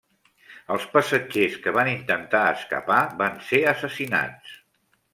Els passatgers que van intentar escapar van ser assassinats.